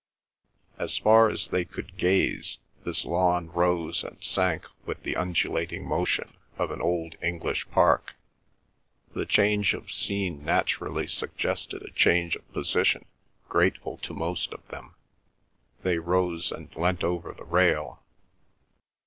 As far as they could gaze, this lawn rose and sank with the undulating motion of an old English park. The change of scene naturally suggested a change of position, grateful to most of them. They rose and leant over the rail.